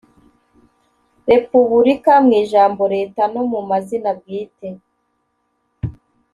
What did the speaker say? “Repubulika”, mu ijambo “Leta” no mu mazina bwite